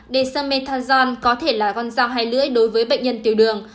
dexamethasone có thể là con dao hay lưỡi đối với bệnh nhân tiểu đường